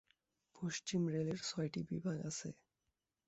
পশ্চিম রেলের ছয়টি বিভাগ আছে